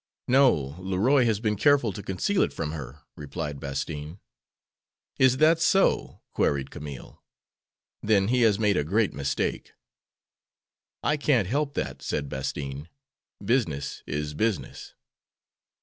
"No, Leroy has been careful to conceal it from her," replied Bastine. "Is that so?" queried Camille. "Then he has made a great mistake." "I can't help that," said Bastine; "business is business."